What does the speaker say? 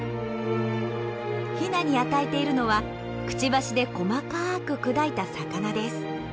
ヒナに与えているのはクチバシで細かく砕いた魚です。